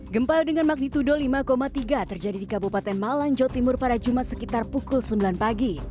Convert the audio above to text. gempa dengan magnitudo lima tiga terjadi di kabupaten malang jawa timur pada jumat sekitar pukul sembilan pagi